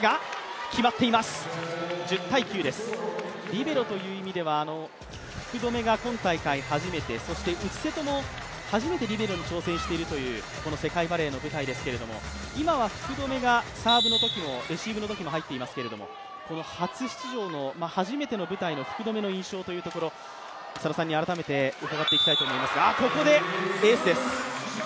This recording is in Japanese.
リベロという意味では福留が今大会、初めてそして内瀬戸も初めてリベロに挑戦しているという世界バレーの舞台ですけど今は福留がサーブのときもレシーブのときも入っていますけれどもこの初出場の、初めての舞台の福留の印象というところ、佐野さんに改めて伺っていきたいと思いますが、ここでエースです。